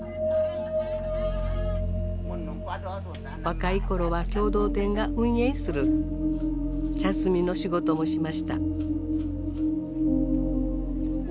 若い頃は共同店が運営する茶摘みの仕事もしました。